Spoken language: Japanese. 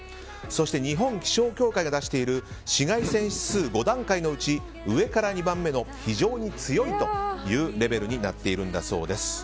そして日本気象協会が出している紫外線指数５段階のうち上から２番目の非常に強いというレベルだそうです。